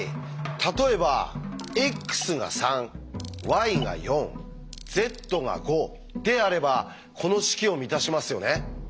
例えば「ｘが３ｙが４ｚが５」であればこの式を満たしますよね。